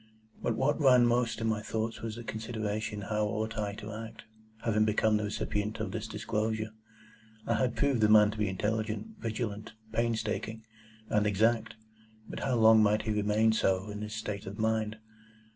But what ran most in my thoughts was the consideration how ought I to act, having become the recipient of this disclosure? I had proved the man to be intelligent, vigilant, painstaking, and exact; but how long might he remain so, in his state of mind?